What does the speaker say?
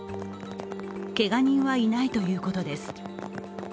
けが人はいないということです。